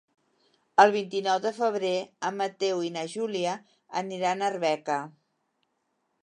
El vint-i-nou de febrer en Mateu i na Júlia aniran a Arbeca.